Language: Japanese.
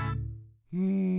うん。